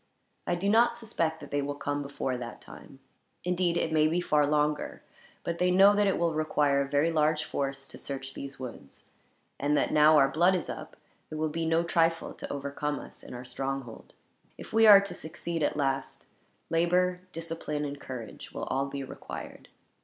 I do not suspect that they will come before that time. Indeed, it may be far longer, for they know that it will require a very large force to search these woods; and that, now our blood is up, it will be no trifle to overcome us in our stronghold. If we are to succeed at last, labor, discipline, and courage will all be required."